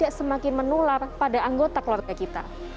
agar covid sembilan belas semakin menular pada anggota keluarga kita